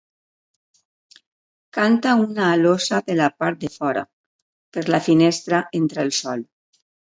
Canta una alosa de la part de fora, per la finestra entra el sol.